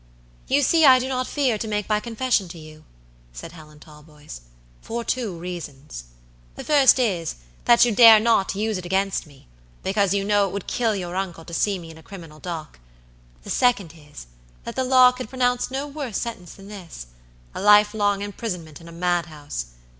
"You see I do not fear to make my confession to you," said Helen Talboys; "for two reasons. The first is, that you dare not use it against me, because you know it would kill your uncle to see me in a criminal dock; the second is, that the law could pronounce no worse sentence than thisa life long imprisonment in a mad house.